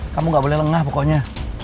kamu gak boleh lengah pokoknya